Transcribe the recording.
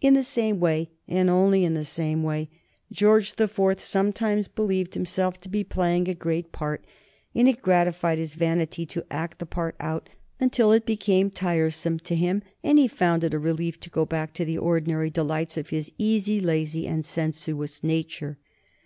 In the same way, and only in the same way, George the Fourth sometimes believed himself to be playing a great part, and it gratified his vanity to act the part out until it became tiresome to him and he found it a relief to go back to the ordinary delights of his easy, lazy, and sensuous nature.